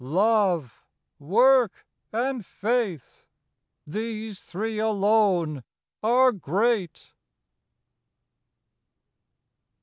Love, Work, and Faith—these three alone are great.